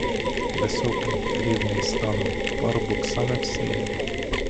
Високий, рівний станом, парубок саме в силі.